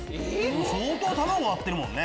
相当割ってるもんね。